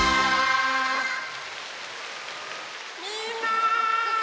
みんな。